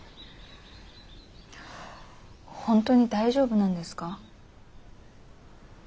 本当に大丈夫なんですか？